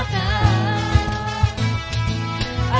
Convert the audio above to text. agar semua tak berakhir